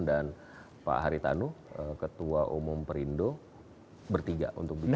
dan pak haritanu ketua umum perindo bertiga untuk bicara